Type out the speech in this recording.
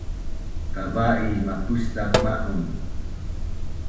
Kavai mapuszak ma’un